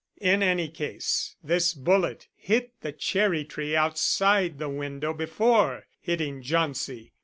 In any case this bullet hit the cherry tree outside the window before hitting Jauncey.